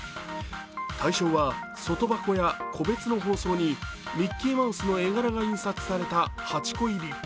対象は外箱や個別の包装にミッキーマウスの絵柄が印刷された８個入り。